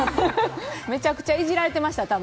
めちゃくちゃイジられてました。